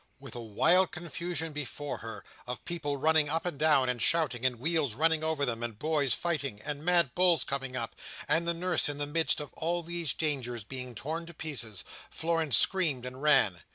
With a wild confusion before her, of people running up and down, and shouting, and wheels running over them, and boys fighting, and mad bulls coming up, and the nurse in the midst of all these dangers being torn to pieces, Florence screamed and ran.